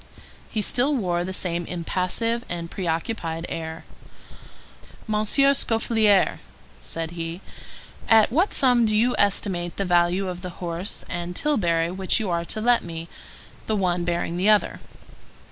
He still wore the same impassive and preoccupied air. "Monsieur Scaufflaire," said he, "at what sum do you estimate the value of the horse and tilbury which you are to let to me,—the one bearing the other?"